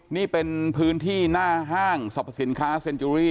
นี่เป็นพื้นที่หน้าห้างสรรพสินค้าเซ็นจูรี่